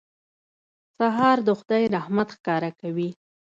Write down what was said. سهار د خدای رحمت ښکاره کوي.